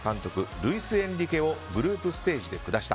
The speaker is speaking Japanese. ルイス・エンリケをグループステージで下した。